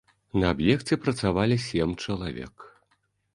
На аб'екце працавалі сем чалавек.